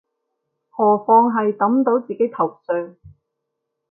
何況係揼到自己頭上